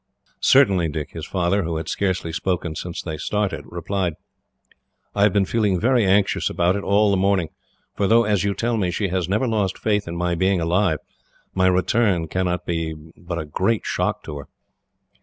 "Certainly, Dick," his father, who had scarcely spoken since they started, replied. "I have been feeling very anxious about it, all the morning; for though, as you tell me, she has never lost faith in my being alive, my return cannot but be a great shock to her."